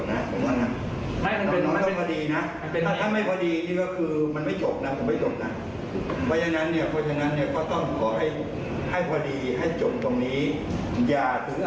หรือว่าภูมิกับจะลงโทษให้เขามีการปรับปรุงในการบริบัติหน้าที่ให้ดีขึ้น